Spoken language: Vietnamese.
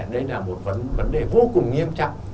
đây là một vấn đề vô cùng nghiêm trọng